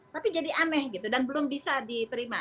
tapi jadi aneh gitu dan belum bisa diterima